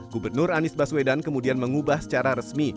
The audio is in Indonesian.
gubernur anies baswedan kemudian mengubah secara resmi